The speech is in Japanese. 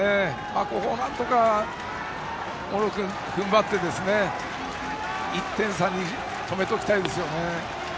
ここをなんとか茂呂君、踏ん張って１点差に止めておきたいですよね。